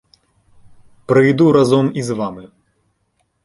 Прийду разом із вами.